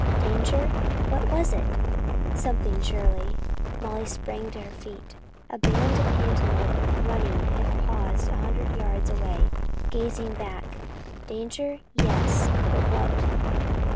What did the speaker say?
Danger? What was it? Something, surely. Molly sprang to her feet. A band of antelope, running, had paused a hundred yards away, gazing back. Danger yes; but what?